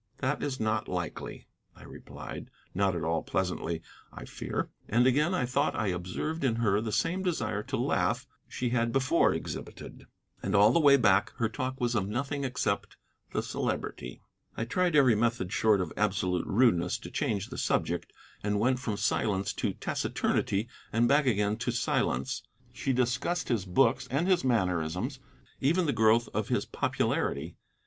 "That is not likely," I replied not at all pleasantly, I fear. And again I thought I observed in her the same desire to laugh she had before exhibited. And all the way back her talk was of nothing except the Celebrity. I tried every method short of absolute rudeness to change the subject, and went from silence to taciturnity and back again to silence. She discussed his books and his mannerisms, even the growth of his popularity.